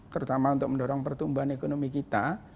terutama untuk mendorong pertumbuhan ekonomi kita